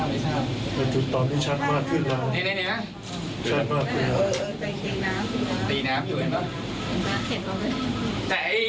นี่นี่ไปเห็นเลย